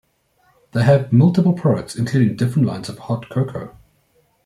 They have multiple products including different lines of Hot Cocoa.